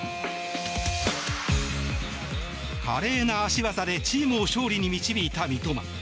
華麗な足技でチームを勝利に導いた三笘。